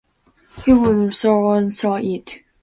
He would have strolled through it.